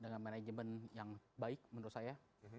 dengan manajemen yang baik menurut saya